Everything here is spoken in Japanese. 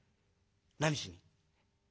「何しに？」。